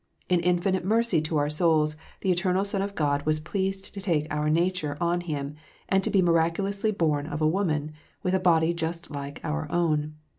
In infinite mercy to our souls the eternal Son of God was pleased to take our nature on Him, and to be miraculously born of a woman, with a body just like our own.